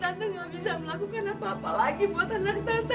tante gak bisa melakukan apa apa lagi buat anak tante